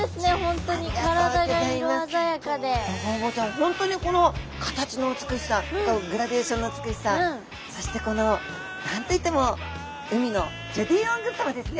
本当にこの形の美しさグラデーションの美しさそしてこの何と言っても海のジュディ・オングさまですね。